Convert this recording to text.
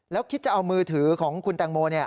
แล้วคิดจะเอามือถือของคุณแตงโม